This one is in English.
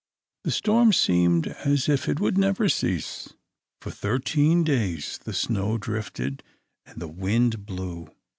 The storm seemed as if it would never cease; for thirteen days the snow drifted and the wind blew.